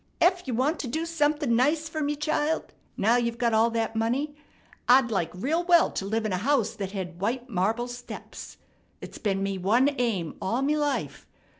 Ef you want to do somethin' nice fer me, child, now you've got all that money, I'd like real well to live in a house that hed white marble steps. It's been me one aim all me life.